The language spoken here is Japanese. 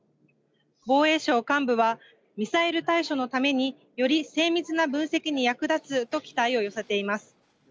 防衛省幹部はミサイル対処のためにより精密な分析に役立つと期待を寄せています。